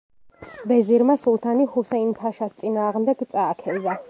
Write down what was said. ვეზირმა სულთანი ჰუსეინ-ფაშას წინააღმდეგ წააქეზა.